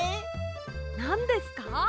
なんですか？